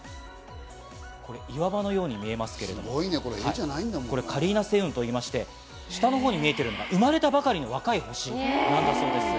これ、岩場のように見えますけれども、カリーナ星雲と言いまして、下のほうに見えているのが生まれたばかりの若い星なんだそうです。